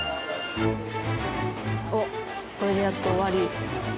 おっこれでやっと終わり。